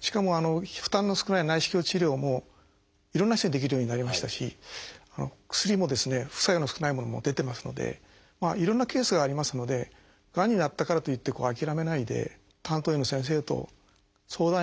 しかも負担の少ない内視鏡治療もいろんな人にできるようになりましたし薬も副作用の少ないものも出てますのでいろんなケースがありますのでがんになったからといって諦めないで担当医の先生と相談してですね